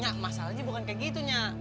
nya masalahnya bukan kayak gitu nya